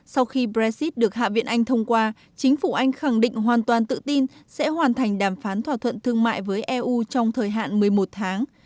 sau khi brexit được hạ viện anh thông qua chính phủ anh khẳng định hoàn toàn tự tin sẽ hoàn thành đàm phán thỏa thuận thương mại với eu trong thời hạn một mươi một tháng